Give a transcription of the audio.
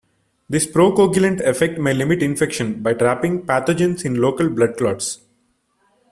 This pro-coagulant effect may limit infection by trapping pathogens in local blood clots.